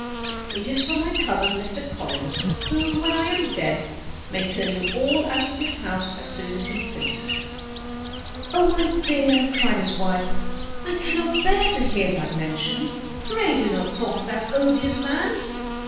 It is from my cousin, Mr. Collins, who, when I am dead, may turn you all out of this house as soon as he pleases." "Oh, my dear," cried his wife, "I cannot bear to hear that mentioned. Pray do not talk of that odious man.